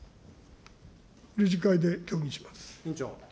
理事会で協議します。